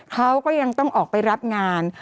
เขาก็ยังต้องออกไปรับงาน